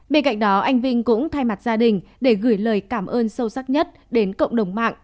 bên cạnh đó anh vinh cũng thay mặt gia đình để gửi lời cảm ơn sâu sắc nhất đến cộng đồng mạng